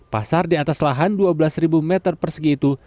pasar di atas lahan dua belas meter persegi itu